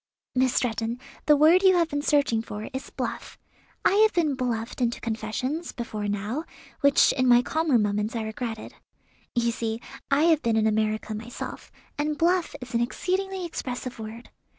"Miss Stretton, the word you have been searching for is 'bluff.' I have been bluffed into confessions, before now, which in my calmer moments I regretted. You see I have been in America myself, and 'bluff' is an exceedingly expressive word.